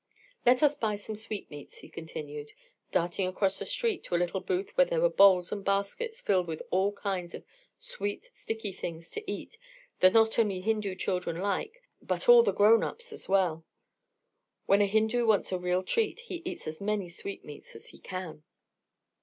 Let us buy some sweetmeats," he continued, darting across the street to a little booth where there were bowls and baskets filled with all kinds of sweet, sticky things to eat that not only Hindu children like, but all the grown ups as well. When a Hindu wants a real treat, he eats as many sweetmeats as he can.